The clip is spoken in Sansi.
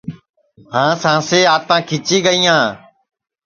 ہانٚس ہانٚسی آنٚتاں کھِچی گئِییاں